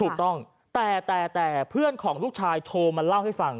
ถูกต้องแต่แต่เพื่อนของลูกชายโทรมาเล่าให้ฟัง